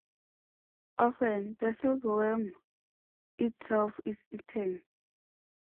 Often, the silkworm itself is eaten.